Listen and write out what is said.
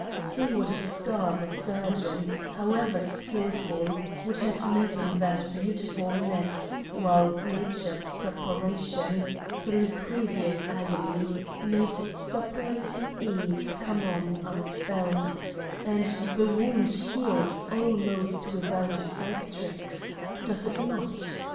See what a Scar the Surgeon, however skilful, would have made in that beautiful Neck, while Nature's preparation, thro' previous Agony, made suppurating Ease come on in/ felt ; and the wound heals almost without a Cicatrix does it not